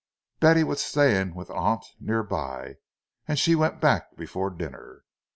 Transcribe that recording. Betty was staying with an aunt near by, and she went back before dinner.